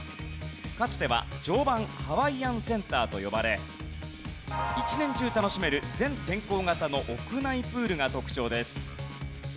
かつては常磐ハワイアンセンターと呼ばれ一年中楽しめる全天候型の屋内プールが特徴です。